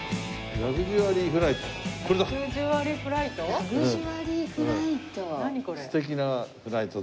ラグジュアリーフライトが。